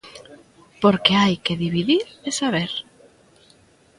Porque hai que dividir e saber.